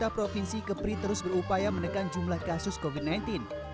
provinsi kepri terus berupaya menekan jumlah kasus covid sembilan belas